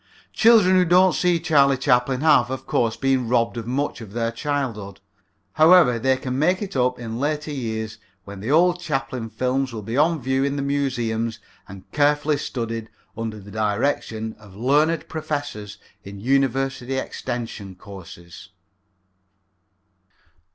Children who don't see Charlie Chaplin have, of course, been robbed of much of their childhood. However, they can make it up in later years when the old Chaplin films will be on view in the museums and carefully studied under the direction of learned professors in university extension courses.